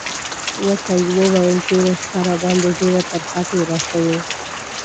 ورته یې وویل: تېره شپه راباندې ډېره ترخه تېره شوې.